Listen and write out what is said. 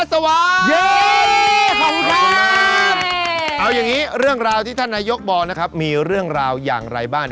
ครับผมฝึกมานานหรือยังลูก